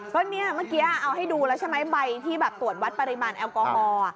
ก็เนี่ยเมื่อกี้เอาให้ดูแล้วใช่ไหมใบที่แบบตรวจวัดปริมาณแอลกอฮอล์